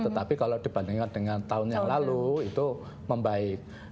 tetapi kalau dibandingkan dengan tahun yang lalu itu membaik